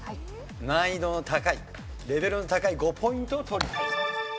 難易度の高いレベルの高い５ポイントを取りたい。